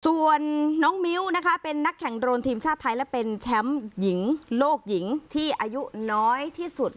ส่วนน้องมิ้วนะคะเป็นนักแข่งโรนทีมชาติไทยและเป็นแชมป์หญิงโลกหญิงที่อายุน้อยที่สุด